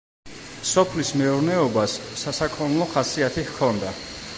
სოფლის მეურნეობას სასაქონლო ხასიათი ჰქონდა.